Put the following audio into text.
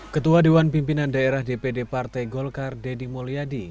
ketua dewan pimpinan daerah dpd partai golkar deddy mulyadi